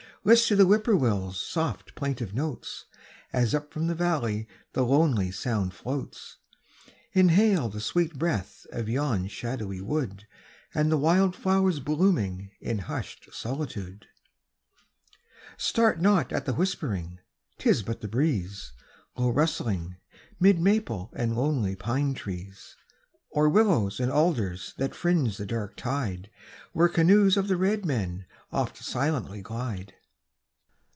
list to the Whip poor will's soft plaintive notes, As up from the valley the lonely sound floats, Inhale the sweet breath of yon shadowy wood And the wild flowers blooming in hushed solitude. Start not at the whispering, 'tis but the breeze, Low rustling, 'mid maple and lonely pine trees, Or willows and alders that fringe the dark tide Where canoes of the red men oft silently glide.